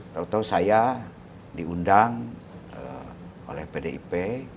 tau tau saya diundang oleh pdip